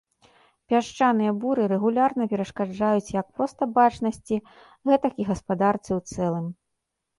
Пясчаныя буры рэгулярна перашкаджаюць як проста бачнасці, гэтак і гаспадарцы ў цэлым.